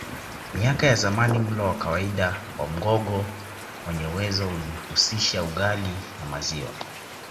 Miaka ya zamani mlo wa kawaida wa Mgogo mwenye uwezo ulihusisha ugali na maziwa